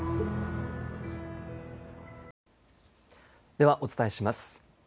ではお伝えします。